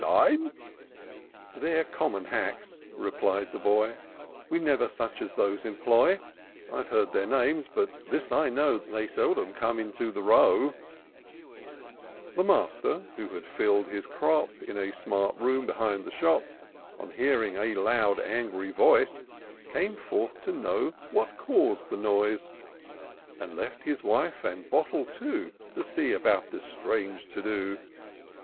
IN SEARCH OF THE PICTURESQUE. 269 They're common hacks," repKed the boy ; We never such as those employ ; I've heard their names, but this I know, They seldom come into the Row'' The master, who had fill'd his crop In a smart room behind the shop, On hearing a loud angry voice, Came forth to know what caus'd the noise ; And left his wife and bottle too. To see about this strange to do.